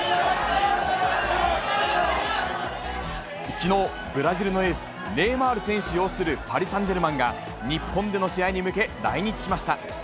きのう、ブラジルのエース、ネイマール選手擁するパリ・サンジェルマンが、日本での試合に向け、来日しました。